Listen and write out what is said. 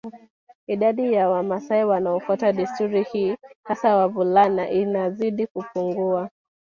Idadi ya Wamasai wanaofuata desturi hii hasa wavulana inazidi kupungua